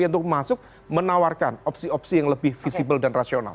untuk masuk menawarkan opsi opsi yang lebih visible dan rasional